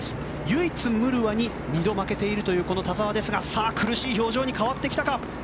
唯一、ムルワに２度負けているこの田澤ですが苦しい表情に変わってきたか。